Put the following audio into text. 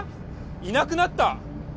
いなくなった？